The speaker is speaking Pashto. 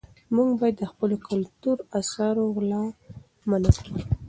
موږ باید د خپلو کلتوري اثارو غلا منعه کړو.